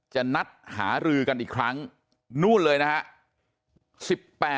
จะนัดหารือกันอีกครั้งนู่นเลยนะฮะ